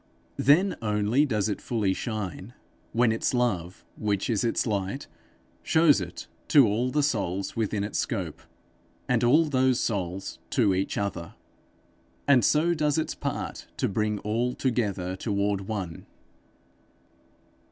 Then only does it fully shine, when its love, which is its light, shows it to all the souls within its scope, and all those souls to each other, and so does its part to bring all together toward one.